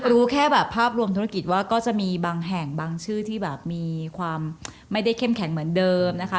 รู้แค่แบบภาพรวมธุรกิจว่าก็จะมีบางแห่งบางชื่อที่แบบมีความไม่ได้เข้มแข็งเหมือนเดิมนะคะ